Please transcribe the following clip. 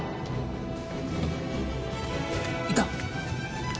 いた？